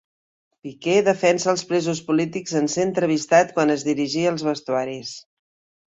Piqué defensa els presos polítics en ser entrevistat quan es dirigia als vestuaris